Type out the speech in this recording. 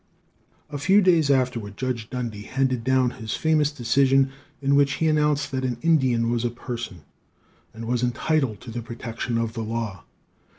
A few days afterward Judge Dundy handed down his famous decision, in which he announced that an Indian was a "person," and was entitled to the protection of the law.